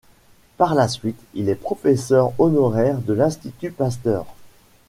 Par la suite, il est professeur honoraire de l’Institut Pasteur.